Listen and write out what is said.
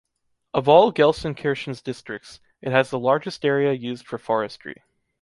Of all Gelsenkirchen's districts, it has the largest area used for forestry.